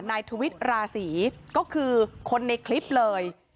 ทวิตราศีก็คือคนในคลิปเลย